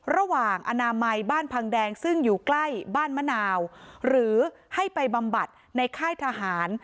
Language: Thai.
อนามัยบ้านพังแดงซึ่งอยู่ใกล้บ้านมะนาวหรือให้ไปบำบัดในค่ายทหาร